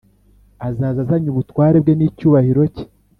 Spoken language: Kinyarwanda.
Azaza azanye ubutware bwe n’icyubahiro cye